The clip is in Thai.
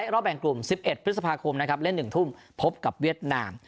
รอบแบ่งกลุ่ม๑๑พฤษภาคมนะครับเล่น๑ทุ่มพบกับเวียดนาม